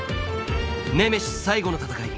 ネメシス最後の戦い